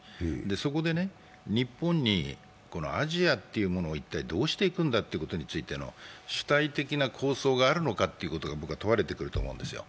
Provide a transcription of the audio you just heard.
そこで、日本にアジアを一体どうしていくんだということについての主体的な構想があるのかということが問われてくると思うんですよ。